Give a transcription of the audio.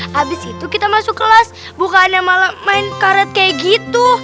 habis itu kita masuk kelas bukannya malah main karet kayak gitu